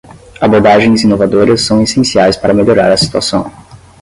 Abordagens inovadoras são essenciais para melhorar a situação.